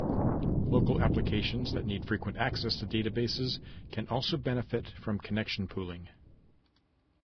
Local applications that need frequent access to databases can also benefit from connection pooling.